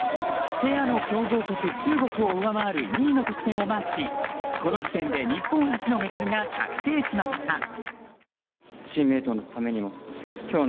ペアの強豪国、中国を上回る２位の得点をマークしこの時点で日本初のメダルが確定しました。